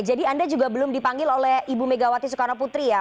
jadi anda juga belum dipanggil oleh ibu megawati soekarno putri ya